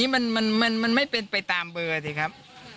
มันไม่เป็นไปตามเบอร์สิครับ